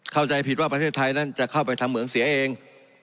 เข้าใจผิดว่าประเทศไทยนั้นจะเข้าไปทำเหมืองเสียเอง